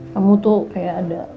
kamu tuh kayak ada